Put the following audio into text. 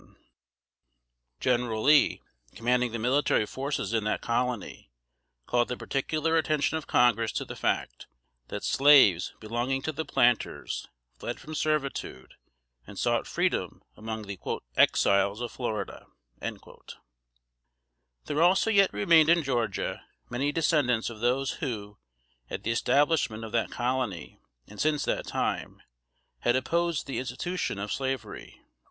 [Sidenote: 1776.] General Lee, commanding the military forces in that colony, called the particular attention of Congress to the fact, that slaves belonging to the planters, fled from servitude and sought freedom among the "Exiles of Florida." There also yet remained in Georgia many descendants of those who, at the establishment of that colony and since that time, had opposed the institution of Slavery.